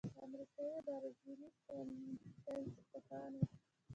امریکايي او برازیلي ساینسپوهانو